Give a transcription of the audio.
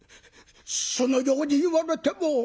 「そのように言われても。